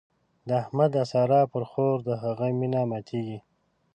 د احمد د سارا پر خور د هغې مينه ماتېږي.